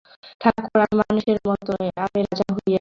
ঠাকুর, আমি মানুষের মতো নই, আমি রাজা হইয়া কী করিব!